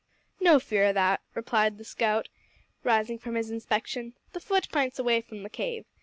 "No fear o' that," replied the scout, rising from his inspection, "the futt p'ints away from the cave.